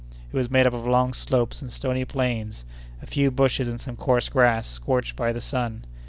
It was made up of long slopes and stony plains, a few bushes and some coarse grass, scorched by the sun.